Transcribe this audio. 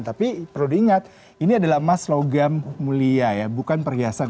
tapi perlu diingat ini adalah emas logam mulia ya bukan perhiasan